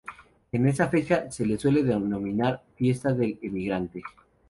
En esa fecha, se le suele denominar "Fiesta del emigrante".